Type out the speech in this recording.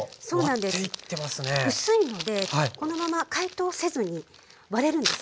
薄いのでこのまま解凍せずに割れるんです。